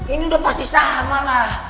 ini udah pasti sama lah